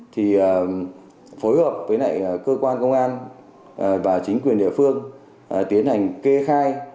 thì phối hợp với lại cơ quan công an và chính quyền địa phương tiến hành kê khai